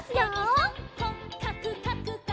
「こっかくかくかく」